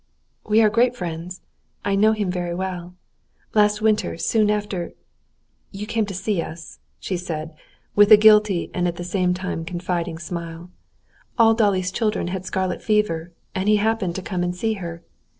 "We are great friends. I know him very well. Last winter, soon after ... you came to see us," she said, with a guilty and at the same time confiding smile, "all Dolly's children had scarlet fever, and he happened to come and see her.